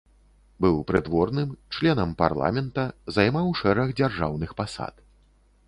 Быў прыдворным, членам парламента, займаў шэраг дзяржаўных пасад.